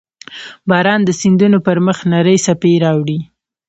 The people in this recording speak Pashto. • باران د سیندونو پر مخ نرۍ څپې راوړي.